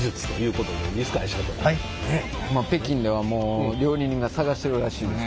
北京ではもう料理人が捜してるらしいですからね。